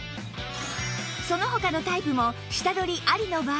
その他のタイプも下取りありの場合